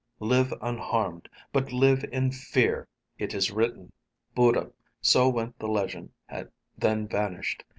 Live unharmed. But live in fear! It is written." Buddha, so went the legend, then vanished.